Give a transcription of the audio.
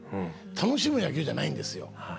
楽しむ野球じゃないんですよ。